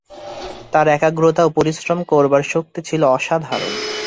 তার একাগ্রতা ও পরিশ্রম করবার শক্তি ছিল অসাধারণ।